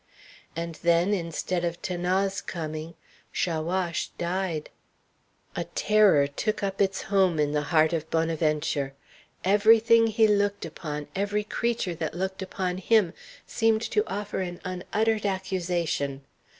And then, instead of 'Thanase coming, Chaouache died. A terror took up its home in the heart of Bonaventure. Every thing he looked upon, every creature that looked upon him, seemed to offer an unuttered accusation.